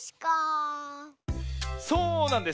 そうなんです！